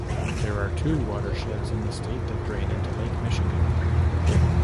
There are two watersheds in the state that drain into Lake Michigan.